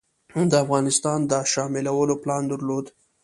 د افغانستان د شاملولو پلان درلود.